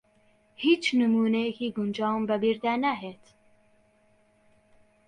ھیچ نموونەیەکی گونجاوم بە بیردا ناھێت.